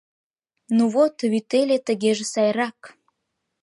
— Ну вот, вӱтеле, тыгеже сайрак.